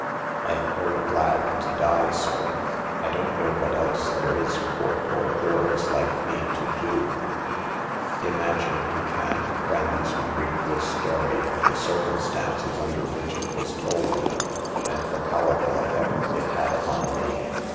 " 4 I'm very glad to die, sir. I don't know what else there is for poor girls like me to do.' 9 \ THE PERILS OF POVERTY. 161 " Imagine, if you can, friends who read this story, the circumstances under which it was told, and the powerful effect it had upon me.